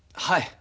はい！